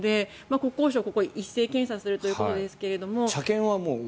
国交省が一斉検査するということですが。